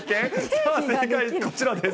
さあ、正解、こちらです。